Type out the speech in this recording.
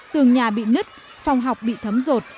tường nhà bị nứt phòng học bị thấm rột